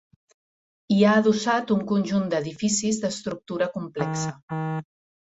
Hi ha adossat un conjunt d'edificis d'estructura complexa.